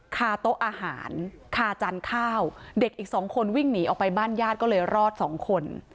คาโต๊ะอาหารคาจานข้าวเด็กอีกสองคนวิ่งหนีออกไปบ้านญาติก็เลยรอดสองคน